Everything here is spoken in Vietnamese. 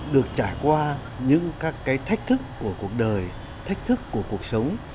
được trải qua những các cái thách thức của cuộc đời thách thức của cuộc sống